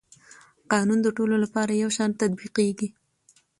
قانون د ټولو لپاره یو شان تطبیقېږي.